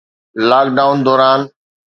lock down دوران